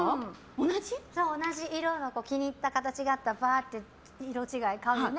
同じ色の気に入った形があったらばーって、色違いを買うよね。